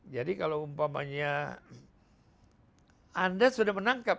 jadi kalau umpamanya anda sudah menangkap